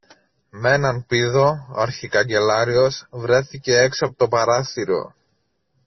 Μ' έναν πήδο ο αρχικαγκελάριος βρέθηκε έξω από το παράθυρο